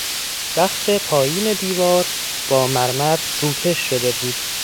بخش پایین دیوار با مرمر روکش شده بود.